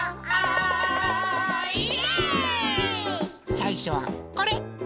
さいしょはこれ。